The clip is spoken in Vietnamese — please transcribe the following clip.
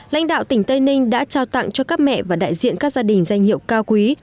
lãnh đạo tỉnh tây ninh đã trao tặng cho các mẹ và đại diện các gia đình danh hiệu cao quý